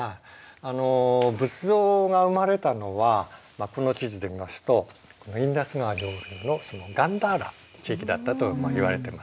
仏像が生まれたのはこの地図で見ますとインダス川上流のガンダーラ地域だったといわれてます。